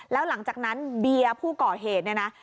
แล้วหลังจากนั้นเบียร์ผู้ก่อเหตุเนี่ยนะ